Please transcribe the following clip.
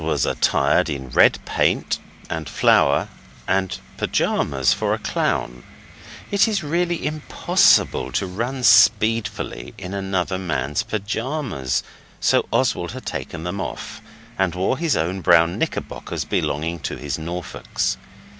Oswald was attired in red paint and flour and pyjamas, for a clown. It is really IMPOSSIBLE to run speedfully in another man's pyjamas, so Oswald had taken them off, and wore his own brown knickerbockers belonging to his Norfolks.